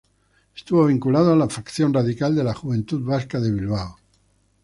Estuvo vinculado a la facción radical de la Juventud Vasca de Bilbao.